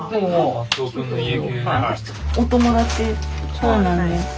そうなんですね。